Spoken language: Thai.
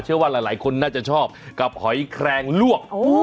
เชื่อว่าหลายคนน่าจะชอบกับหอยแครงลวก